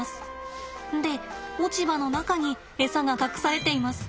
で落ち葉の中にエサが隠されています。